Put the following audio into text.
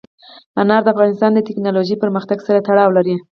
انار د افغانستان د تکنالوژۍ پرمختګ سره تړاو لري.